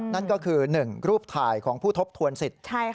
นั่นก็คือ๑รูปถ่ายของผู้ทบทวนสิทธิ์